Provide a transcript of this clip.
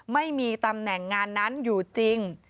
ไม่มีตำแหน่งงานนั้นอยู่จริง